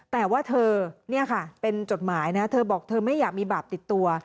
แต่ว่าเธอเนี่ยค่ะเป็นจดหมายนะเธอบอกเธอไม่อยากมีบาปติดตัว